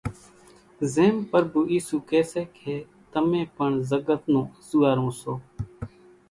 زيم پرڀُو اِيسُوئين ڪي سي ڪي تمين پڻ زڳت نون انزوئارون سو